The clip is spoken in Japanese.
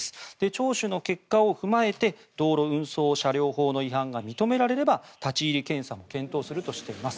聴取の結果を踏まえて道路運送車両法の違反が認められれば、立ち入り検査も検討するとしています。